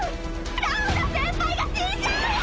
ラウダ先輩が死んじゃうよ！